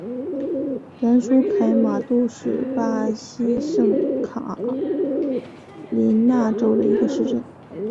兰舒凯马杜是巴西圣卡塔琳娜州的一个市镇。